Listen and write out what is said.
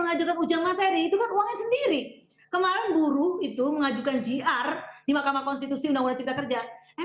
undang undang cipta kerja emang uangnya dari mana